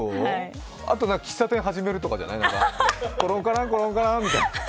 あと喫茶店始めるとかじゃないカランコロカランコロンみたいな。